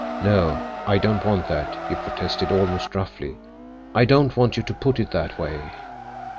"No, I don't want that," he protested almost roughly. "I don't want you to put it that way.